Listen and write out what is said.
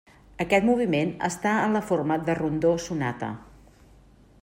Aquest moviment està en la forma de rondó sonata.